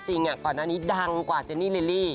จริงก่อนหน้านี้ดังกว่าเจนี่ลิลลี่